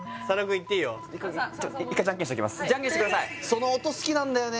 その音好きなんだよね